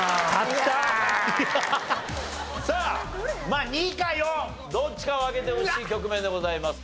まあ２か４どっちかを開けてほしい局面でございます。